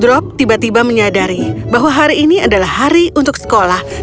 drop tiba tiba menyadari bahwa hari ini adalah hari untuk sekolah